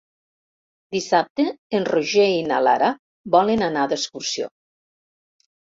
Dissabte en Roger i na Lara volen anar d'excursió.